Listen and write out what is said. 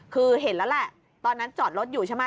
คือเห็นแล้วแหละตอนนั้นจอดรถอยู่ใช่ไหม